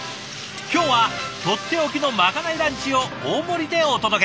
今日はとっておきのまかないランチを大盛りでお届け。